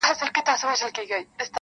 • چي لګیا یې دي ملګري په غومبرو -